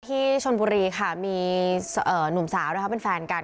ที่ชนบุรีค่ะมีหนุ่มสาวนะคะเป็นแฟนกัน